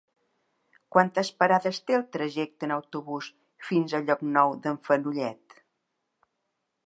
Quantes parades té el trajecte en autobús fins a Llocnou d'en Fenollet?